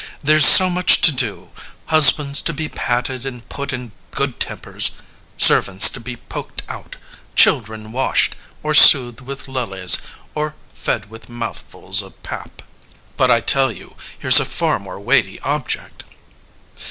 There's so much to do; Husbands to be patted and put in good tempers: Servants to be poked out: children washed Or soothed with lullays or fed with mouthfuls of pap. LYSISTRATA But I tell you, here's a far more weighty object.